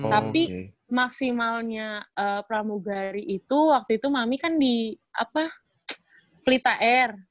tapi maksimalnya pramugari itu waktu itu mami kan di flita air